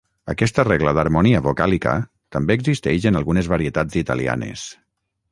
Aquesta regla d'harmonia vocàlica també existeix en algunes varietats italianes.